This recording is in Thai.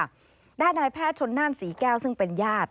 ด้านนายแพทย์ชนนั่นศรีแก้วซึ่งเป็นญาติ